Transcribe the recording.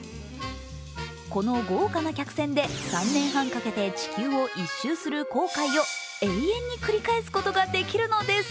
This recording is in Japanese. この豪華な客船で３年半かけて地球を一周する航海を永遠に繰り返すことができるのです。